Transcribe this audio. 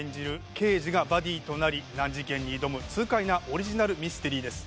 刑事がバディとなり難事件に挑む痛快なオリジナルミステリーです